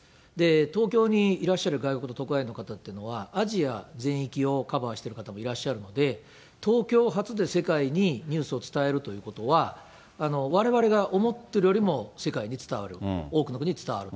東京にいらっしゃる外国の特派員の方というのはアジア全域をカバーしている方もいらっしゃるので、東京発で世界にニュースを伝えるということは、われわれが思ってるよりも世界に伝わる、多くの国に伝わる。